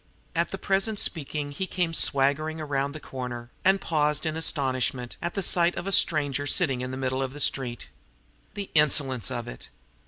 At the present speaking he came swaggering around a corner, and paused in astonishment at the sight of a stranger sitting in the middle of the street. The insolence of it!